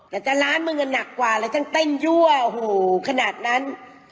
แต่ก็ร้านมึงน่ะหนักกว่าแล้วต้องเต้นยั่วโหขนาดนั้น